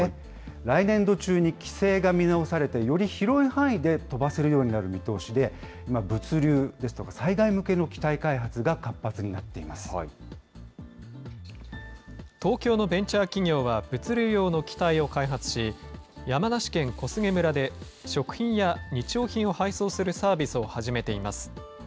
来年度中に規制が見直されてより広い範囲で飛ばせるようになる見通しで、今、物流ですとか災害向けの機体開発が活発になっていま東京のベンチャー企業は物流用の機体を開発し、山梨県小菅村で、食品や日用品を配送するサービスを始めています。